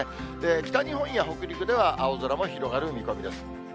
北日本や北陸では青空も広がる見込みです。